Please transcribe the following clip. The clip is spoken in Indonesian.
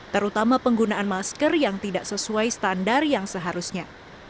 terutama penggunaan masker yang tidak sesuai standar yang seharusnya